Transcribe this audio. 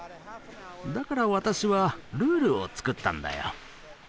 だから私はルールを作ったんだよ。